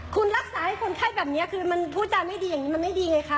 คุณรักษาให้คนไข้แบบนี้คือมันพูดจาไม่ดีอย่างนี้มันไม่ดีไงคะ